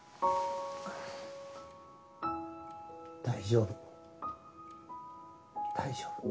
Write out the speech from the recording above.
大丈夫大丈夫。